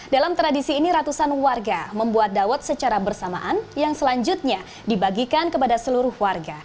dalam tradisi ini ratusan warga membuat dawet secara bersamaan yang selanjutnya dibagikan kepada seluruh warga